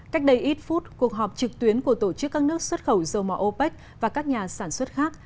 cách đây ít phút cuộc họp trực tuyến của tổ chức các nước xuất khẩu dầu mỏ opec và các nhà sản xuất khác